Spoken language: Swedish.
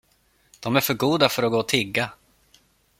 De är för goda för att gå och tigga.